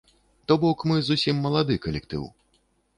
То бок, мы зусім малады калектыў.